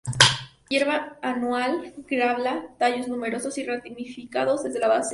Hierba anual, glabra; tallos numerosos y ramificados desde la base.